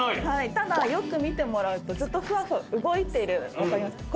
ただよく見てもらうとずっとふわふわ動いてる分かりますか？